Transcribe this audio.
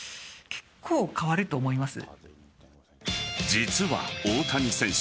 実は、大谷選手